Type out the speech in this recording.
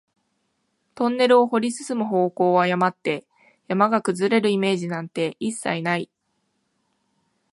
トンネルを掘り進む方向を誤って、山が崩れるイメージなんて一切ない